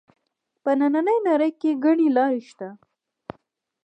په نننۍ نړۍ کې ګڼې لارې شته